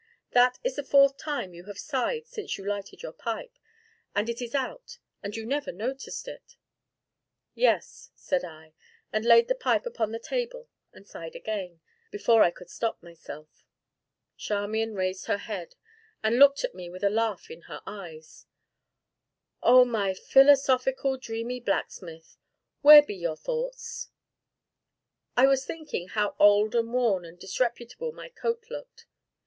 "That is the fourth time you have sighed since you lighted your pipe, and it is out, and you never noticed it!" "Yes" said I, and laid the pipe upon the table and sighed again, before I could stop myself. Charmian raised her head, and looked at me with a laugh in her eyes. "Oh, most philosophical, dreamy blacksmith! where be your thoughts?" "I was thinking how old and worn and disreputable my coat looked."